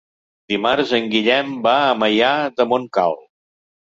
Dimarts en Guillem va a Maià de Montcal.